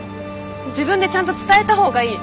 自分でちゃんと伝えた方がいい。